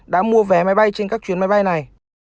đã mua vé máy bay trên các chuyến máy bay này